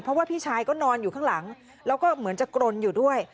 เพราะว่าพี่ชายก็นอนอยู่ข้างหลังแล้วก็เหมือนจะกรนอยู่ด้วย